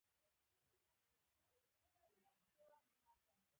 فلم باید دروغو ته ماتې ورکړي